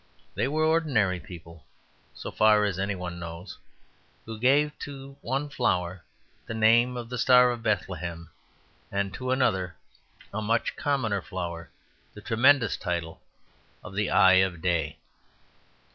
They were ordinary people, so far as any one knows, who gave to one flower the name of the Star of Bethlehem and to another and much commoner flower the tremendous title of the Eye of Day.